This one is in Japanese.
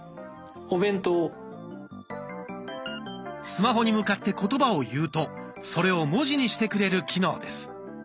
スマホに向かって言葉を言うとそれを文字にしてくれる機能です。